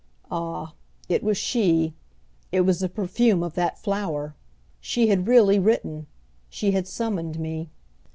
Ah, it was she, it was the perfume of that flower! She had really written; she had summoned me.